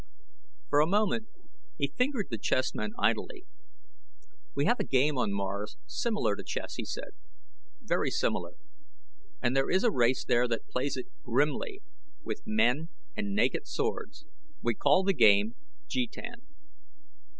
For a moment he fingered the chessmen idly. "We have a game on Mars similar to chess," he said, "very similar. And there is a race there that plays it grimly with men and naked swords. We call the game jetan.